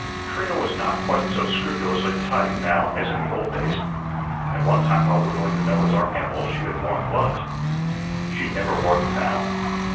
Trina was not quite so scrupulously tidy now as in the old days. At one time while whittling the Noah's ark animals she had worn gloves. She never wore them now.